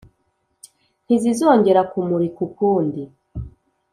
ntizizongera kumurika ukundi,